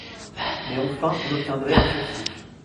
Mais enfin on obtiendrait un sursis.